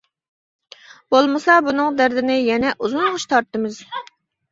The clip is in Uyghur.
بولمىسا بۇنىڭ دەردىنى يەنە ئۇزۇنغىچە تارتىمىز.